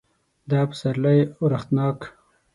دا پسرلی اورښتناک